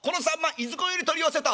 いずこより取り寄せた？」。